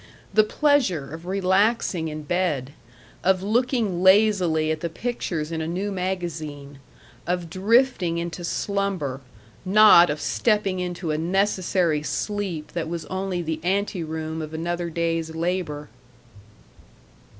The pleasure of relaxing in bed, of looking lazily at the pictures in a new magazine, of drifting into slumber not of stepping into a necessary sleep that was only the anteroom of another day's labor....